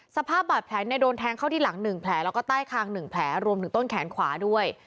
สภาพบาดแผลโดนแทงเข้าที่หลัง๑แผลแล้วก็ใต้คาง๑แผลรวมถึงต้นแขนขวาด้วย